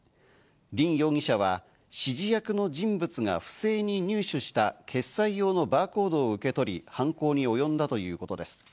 リン容疑者は指示役の人物が不正に入手した決済用のバーコードを受け取り、犯行におよんだということです。